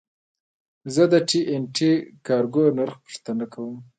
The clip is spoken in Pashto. زه د ټي این ټي کارګو نرخ پوښتنه کوم.